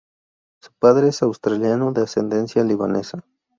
Su padre es australiano de ascendencia libanesa.